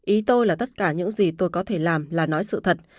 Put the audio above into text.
ý tôi là tất cả những gì tôi có thể làm là nói sự thật